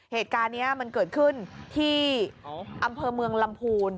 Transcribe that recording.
เหตุการณ์นี้มันเกิดขึ้นที่อำเภอเมืองลำพูน